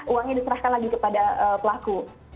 uangnya diserahkan lagi kepada pelaku